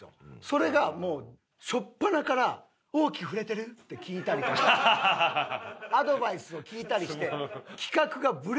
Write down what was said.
それがもう初っぱなから「大きく振れてる？」って聞いたりとかアドバイスを聞いたりして。